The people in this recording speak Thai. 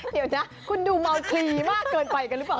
เดี๋ยวนะคุณดูเมาคลีมากเกินไปกันหรือเปล่า